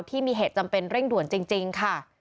ที่มีเหตุจำเป็นเร่งด่วนจริงค่ะ